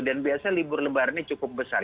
dan biasanya libur lebaran ini cukup besar